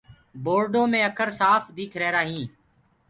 بورڊو مي اکر سآڦ ديک رهيرآ هينٚ۔